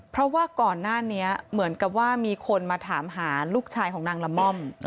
เพราะว่าก่อนหน้านี้เหมือนกับว่ามีคนมาถามหาลูกชายของนางละม่อม